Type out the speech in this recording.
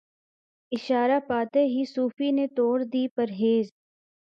اشارہ پاتے ہی صوفی نے توڑ دی پرہیز